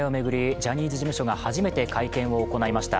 ジャニーズ事務所が初めて会見を行いました。